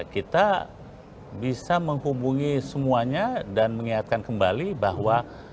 kita bisa menghubungi semuanya dan mengingatkan kembali bahwa